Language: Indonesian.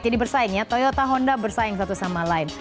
jadi bersaing ya toyota honda bersaing satu sama lain